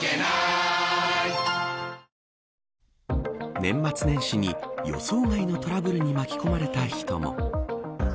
年末年始に予想外のトラブルに巻き込まれた人も。